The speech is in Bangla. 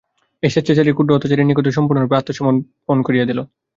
এই স্বেচ্ছাচারী ক্ষুদ্র অত্যাচারীর নিকটে সম্পূর্ণরূপে আত্মসমর্পণ করিয়া দিল।